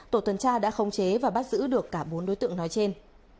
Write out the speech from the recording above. tổ tuần tra đã khống chế và bắt giữ được cả bốn đối tượng nói trên